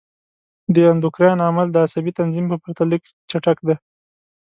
د اندوکراین عمل د عصبي تنظیم په پرتله لږ چټک دی.